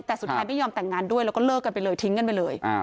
แต่สุดท้ายไม่ยอมแต่งงานด้วยแล้วก็เลิกกันไปเลยทิ้งกันไปเลย